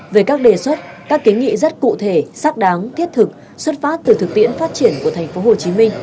về các đề xuất các kiến nghị rất cụ thể xác đáng thiết thực xuất phát từ thực tiễn phát triển của tp hcm